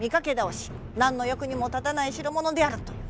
何の役にも立たない代物であるという。